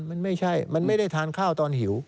มันไม่ใช่มันไม่ได้ทานข้าวตอนหิว